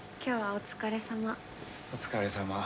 お疲れさま。